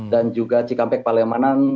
dan juga cikampek palemanan